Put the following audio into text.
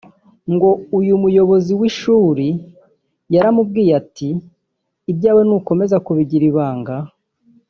ngo uyu Muyobozi w’ishuri yaramubwiye ati “Ibyawe nukomeza kubigira ibanga